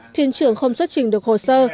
thuyền trưởng không xuất trình được hồ sơ